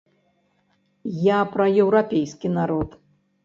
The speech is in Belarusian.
Я пра еўрапейскі народ.